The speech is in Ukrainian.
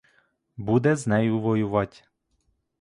Буде з нею воювать!